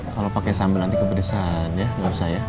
kalo pake sambel nanti kepedesan ya gak usah ya